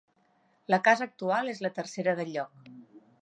La casa actual és la tercera del lloc.